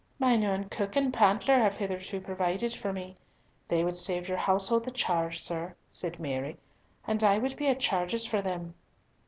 "Mine own cook and pantler have hitherto provided for me. They would save your household the charge, sir," said Mary, "and I would be at charges for them."